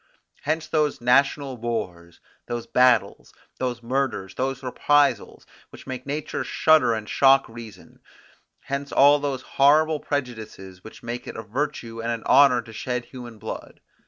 Hence those national wars, those battles, those murders, those reprisals, which make nature shudder and shock reason; hence all those horrible prejudices, which make it a virtue and an honour to shed human blood.